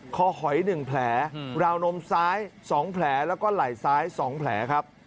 หอย๑แผลราวนมซ้าย๒แผลแล้วก็ไหล่ซ้าย๒แผลครับ